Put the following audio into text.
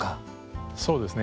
そうですね。